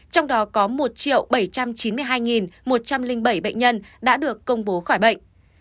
trong đó có một bảy trăm chín mươi hai một trăm linh bảy bệnh nhân đã được công bố khỏi bệnh